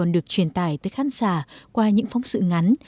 được truyền tải tới khán giả qua những phóng sự ngắn